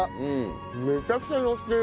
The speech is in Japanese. めちゃくちゃのってる。